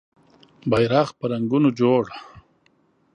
بېرغ په رنګونو جوړ